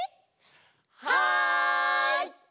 はい！